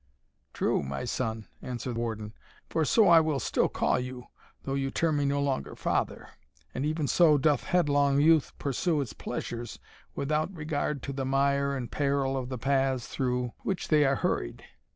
"True, my son," answered Warden, "for so I will still call you, though you term me no longer father; and even so doth headlong youth pursue its pleasures, without regard to the mire and the peril of the paths through which they are hurried."